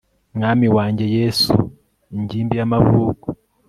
Mwami wanjye Yesu ingimbi yamavuko